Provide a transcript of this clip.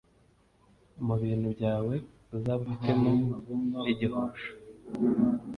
mu bintu byawe, uzabe ufitemo n’igihosho.